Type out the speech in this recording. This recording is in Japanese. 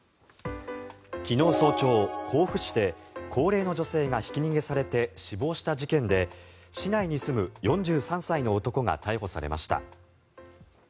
昨日早朝、甲府市で高齢の女性がひき逃げされて死亡した事件で市内に住む４３歳の男が逮捕されました。